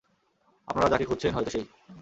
আপনারা যাকে খুঁজছেন হয়তো সেই।